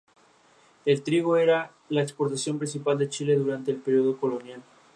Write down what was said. Todas escritas por Alice Cooper, Glen Buxton, Michael Bruce, Dennis Dunaway y Neal Smith.